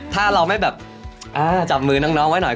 ถ้าเราไม่แบบจับมือน้องไว้หน่อย